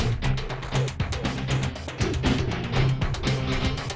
tentat melepetkan centang lapangan